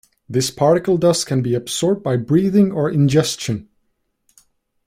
This particle dust can be absorbed by breathing or ingestion.